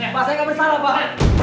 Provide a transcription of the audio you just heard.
pak saya gak bersalah pak